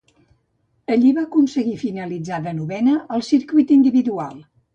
Allí va aconseguir finalitzar denovena al circuit individual.